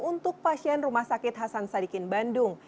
untuk pasien rumah sakit hasan sadikin bandung